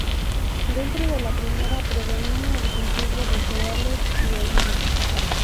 Dentro de la primera predomina el cultivo de cereales y olivo.